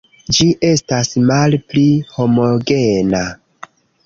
Ĝi estas malpli homogena.